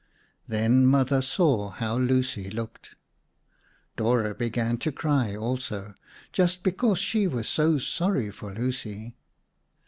Then Mother saw how Lucy looked. Dora began to cry also, just because she was so sorry for Lucy.